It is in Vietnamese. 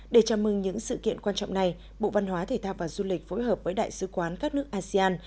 để chào mừng những sự kiện quan trọng này bộ văn hóa thể thao và du lịch phối hợp với đại sứ quán các nước asean